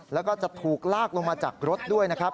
แล้วก็จะถูกลากลงมาจากรถด้วยนะครับ